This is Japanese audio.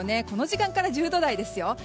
この時間から１０度台ですよ。